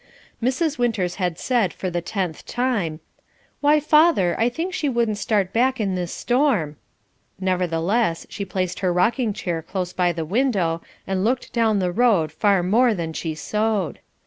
Mrs. Winters had said for the tenth time, "Why, father, I think she wouldn't start back in this storm." Nevertheless she placed her rocking chair close by the window and looked down the road far more than she sewed.